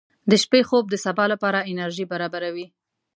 • د شپې خوب د سبا لپاره انرژي برابروي.